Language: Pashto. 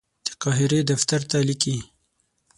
د قاهرې دفتر ته لیکي.